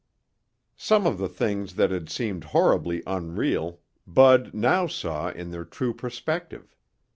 Some of the things that had seemed horribly unreal, Bud now saw in their true perspective.